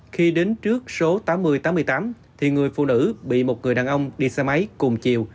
khi đến trước số tám nghìn tám mươi tám thì người phụ nữ bị một người đàn ông đi xe máy cùng chiều